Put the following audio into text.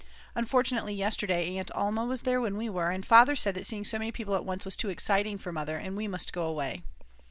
Unfortunately yesterday, Aunt Alma was there when we were, and Father said that seeing so many people at once was too exciting for Mother, and we must go away.